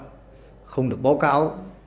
và đe dọa không được báo cáo